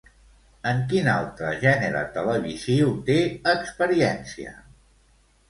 En quin altre gènere televisiu té experiència?